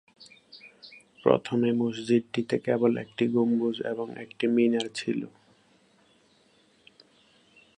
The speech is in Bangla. প্রথমে মসজিদটিতে কেবল একটি গম্বুজ এবং একটি মিনার ছিল।